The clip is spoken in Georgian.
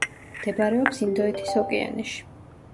მდებარეობს ინდოეთის ოკეანეში.